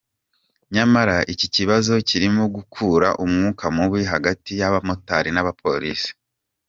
Nyamara iki kibazo kirimo gukurura umwuka mubi hagati y’abamotari n’abapolisi.